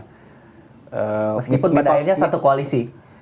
meskipun di daerahnya satu koalisi